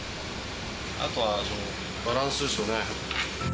あとはバランスですよね。